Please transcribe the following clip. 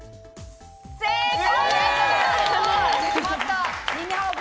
正解です！